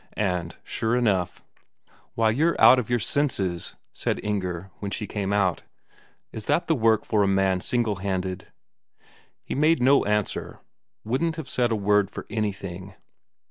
And sure enough: "Why, you're out of your senses," said Inger when she came out. "Is that work for a man single handed?" He made no answer; wouldn't have said a word for anything.